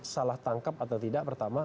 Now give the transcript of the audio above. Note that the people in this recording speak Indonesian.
salah tangkap atau tidak pertama